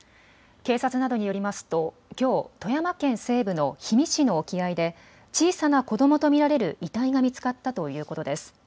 警察などによりますときょう富山県西部の氷見市の沖合で小さな子どもと見られる遺体が見つかったということです。